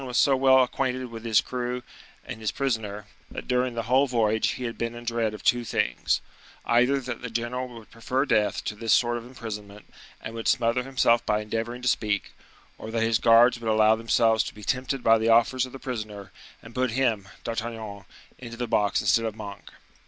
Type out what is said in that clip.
D'Artagnan was so well acquainted with his crew and his prisoner, that during the whole voyage he had been in dread of two things: either that the general would prefer death to this sort of imprisonment, and would smother himself by endeavoring to speak, or that his guards would allow themselves to be tempted by the offers of the prisoner, and put him, D'Artagnan, into the box instead of Monk.